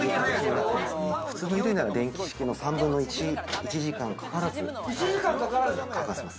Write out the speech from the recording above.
普通の衣類なら電気式の３分の１、１時間かからず乾かせます。